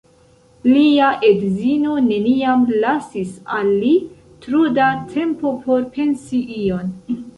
Lia edzino neniam lasis al li tro da tempo por pensi ion.